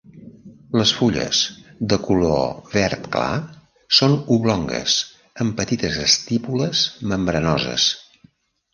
Les fulles, de color verd clar, són oblongues amb petites estípules membranoses.